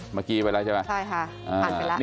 เมื่อกี้ไปแล้วใช่ไหม